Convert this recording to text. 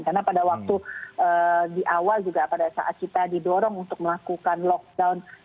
karena pada waktu di awal juga pada saat kita didorong untuk melakukan lockdown